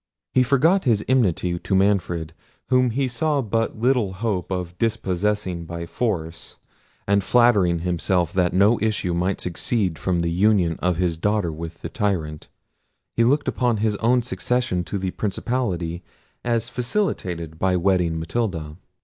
He forgot his enmity to Manfred, whom he saw but little hope of dispossessing by force; and flattering himself that no issue might succeed from the union of his daughter with the tyrant, he looked upon his own succession to the principality as facilitated by wedding Matilda.